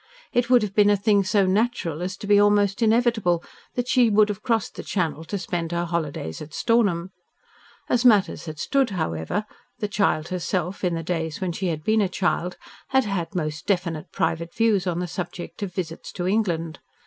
It would have been a thing so natural as to be almost inevitable, that she would have crossed the Channel to spend her holidays at Stornham. As matters had stood, however, the child herself, in the days when she had been a child, had had most definite private views on the subject of visits to England.